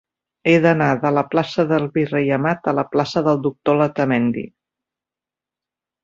He d'anar de la plaça del Virrei Amat a la plaça del Doctor Letamendi.